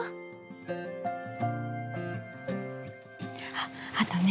あっあとね